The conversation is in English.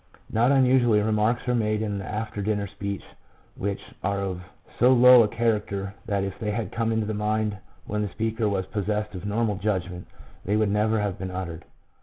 Not unusually remarks are made in the after dinner speech which are of so low a character that if they had come into the mind when the speaker was possessed of normal judgment, they would never have been uttered.